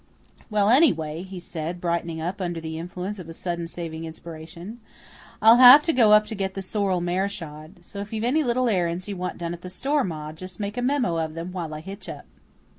"Well, anyway," he said, brightening up under the influence of a sudden saving inspiration. "I'll have to go up to get the sorrel mare shod. So, if you've any little errands you want done at the store, Ma, just make a memo of them while I hitch up."